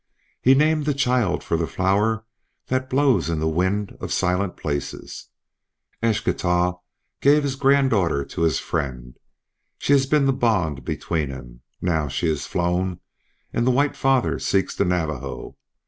He named this child for the flower that blows in the wind of silent places. Eschtah gave his granddaughter to his friend. She has been the bond between them. Now she is flown and the White Father seeks the Navajo.